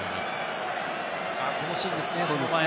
このシーンですね。